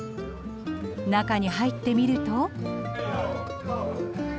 中に入ってみると。